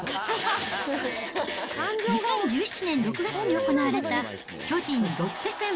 ２０１７年６月に行われた巨人・ロッテ戦。